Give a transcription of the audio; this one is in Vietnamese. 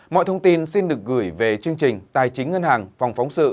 mọi thông tin xin được gửi về chương trình tài chính ngân hàng phòng phóng sự